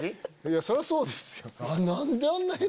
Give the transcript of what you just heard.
そりゃそうですよ。